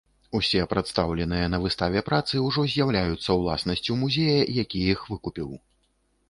Усё прадстаўленыя на выставе працы ўжо з'яўляюцца ўласнасцю музея, які іх выкупіў.